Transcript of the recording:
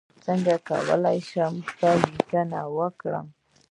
څنګه کولی شم ښه لیکنه وکړم